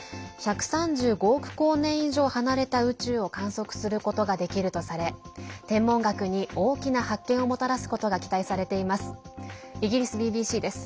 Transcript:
１３５億光年以上離れた宇宙を観測することができるとされ天文学に大きな発見をもたらすことが期待されています。